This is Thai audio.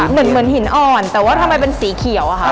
เหมือนหินอ่อนแต่ว่าทำไมเป็นสีเขียวอะค่ะ